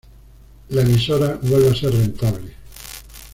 La emisora vuelve a ser rentable.